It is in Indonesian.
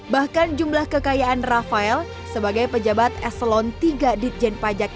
bahkan jumlah kekayaan rafael sebagai pejabat eselon tiga ditjen pajak